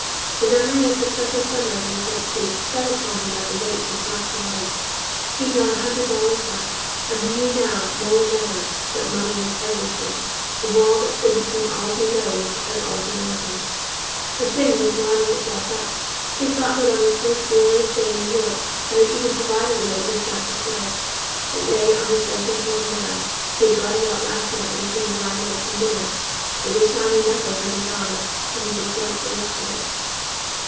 The memory of successive summers on the front stoop fell upon him like a weight of black water. He had not a hundred dollars left; and he knew now, more than ever, that money was everything, the wall that stood between all he loathed and all he wanted. The thing was winding itself up; he had thought of that on his first glorious day in New York, and had even provided a way to snap the thread. It lay on his dressing table now; he had got it out last night when he came blindly up from dinner, but the shiny metal hurt his eyes, and he disliked the looks of it.